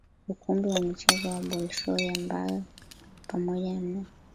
ukumbi wa michezo wa Bolshoi ambaye pamoja na